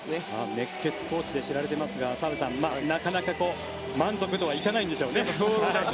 熱血コーチで知られていますが、なかなか満足とはいかないんでしょうね。